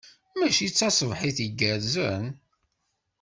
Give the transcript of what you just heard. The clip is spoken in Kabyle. Mačči d taṣebḥit igerrzen?